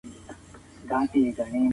تجارت کي بايد دوکه او فریب نه وي.